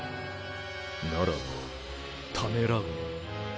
ならばためらうな。